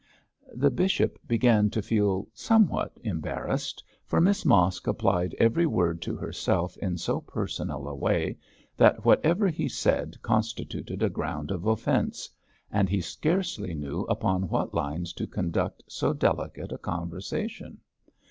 The bishop began to feel somewhat embarrassed, for Miss Mosk applied every word to herself in so personal a way, that whatever he said constituted a ground of offence, and he scarcely knew upon what lines to conduct so delicate a conversation.